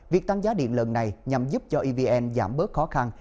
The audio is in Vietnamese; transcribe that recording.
việc tăng giá điện lần này nhằm giúp cho evn giảm bớt khó khăn